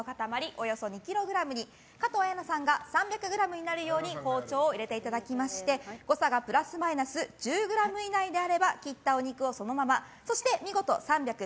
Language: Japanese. およそ２ｋｇに加藤綾菜さんが３００ｇになるように包丁を入れていただきまして誤差がプラスマイナス１０ｇ以内であれば切ったお肉をそのままそして見事３００